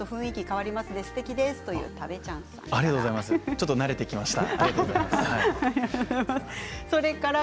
ちょっと慣れてきました。